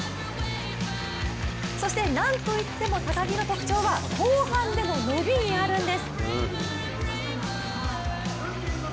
そしてなんといっても高木の特徴は後半での伸びにあるんです。